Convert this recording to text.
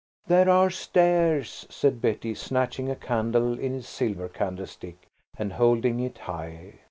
"There are stairs," said Betty, snatching a candle in its silver candlestick and holding it high.